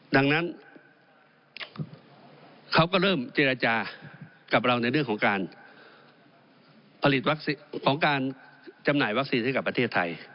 ดังนั้นเขาก็เริ่มเจรจากับเราในเรื่องของการผลิตของการจำหน่ายวัคซีนให้กับประเทศไทย